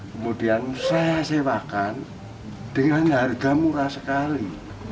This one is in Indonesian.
kemudian saya sewakan dengan harga murah sekali